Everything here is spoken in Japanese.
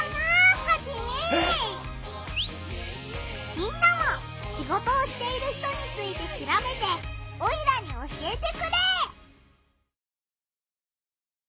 みんなもシゴトをしている人についてしらべてオイラに教えてくれ！